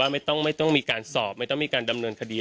ไม่ต้องมีการสอบไม่ต้องมีการดำเนินคดี